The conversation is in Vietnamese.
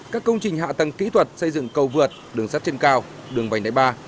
các công trình hạ tầng kỹ thuật xây dựng cầu vượt đường sắt trên cao đường vành đai ba